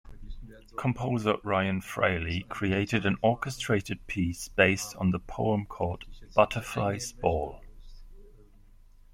Composer Ryan Fraley created an orchestrated piece based on the poem called "Butterfly's Ball".